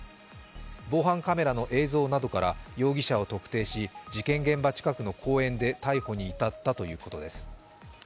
防犯カメラの映像などから、容疑者を特定し、事件現場近くの公園で逮捕に至ったということです。